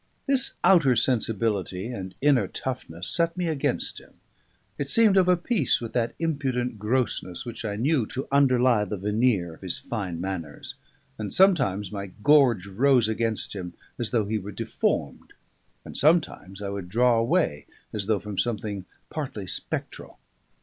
This outer sensibility and inner toughness set me against him; it seemed of a piece with that impudent grossness which I knew to underlie the veneer of his fine manners; and sometimes my gorge rose against him as though he were deformed and sometimes I would draw away as though from something partly spectral.